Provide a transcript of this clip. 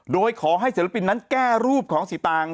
โดยขอให้ศิลปินนั้นแก้รูปของสีตาง